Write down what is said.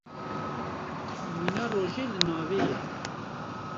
Mîna rojê li navê ye.